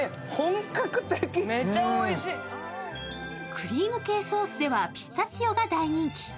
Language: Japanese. クリーム系ソースではピスタチオが大人気。